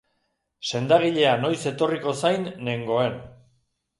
Sendagilea noiz etorriko zain nengoen.